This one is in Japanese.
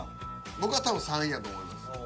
僕は多分３位やと思います。